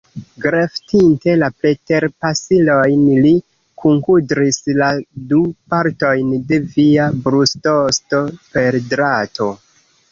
Greftinte la preterpasilojn, li kunkudris la du partojn de via brustosto per drato.